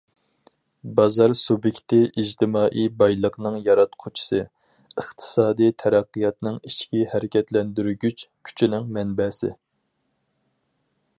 بازار سۇبيېكتى ئىجتىمائىي بايلىقنىڭ ياراتقۇچىسى، ئىقتىسادىي تەرەققىياتنىڭ ئىچكى ھەرىكەتلەندۈرگۈچ كۈچىنىڭ مەنبەسى.